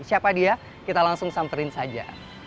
siapa dia kita langsung samperin saja